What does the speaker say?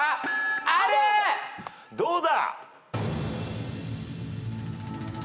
どうだ？